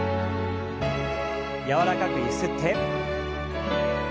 柔らかくゆすって。